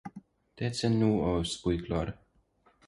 De ce nu o spui clar?